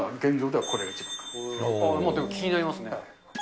でも気になりますね。